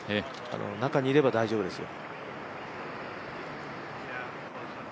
中にいれば大丈夫ですよ。